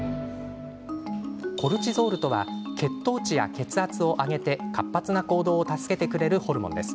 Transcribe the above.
コルチゾールとは血糖値や血圧を上げて活発な行動を助けてくれるホルモンです。